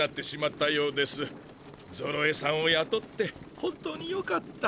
ゾロエさんをやとって本当によかった。